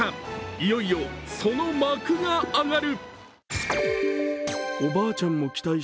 いよいよ、その幕が上がる。